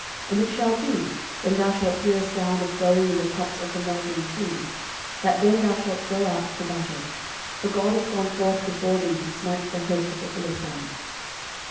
13:014:015 And it shall be, when thou shalt hear a sound of going in the tops of the mulberry trees, that then thou shalt go out to battle: for God is gone forth before thee to smite the host of the Philistines.